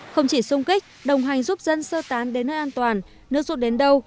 không chỉ xung kích đồng hành giúp dân sơ tán đến nơi an toàn nước ruột đến đâu